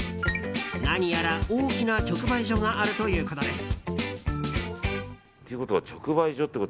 何やら大きな直売所があるということです。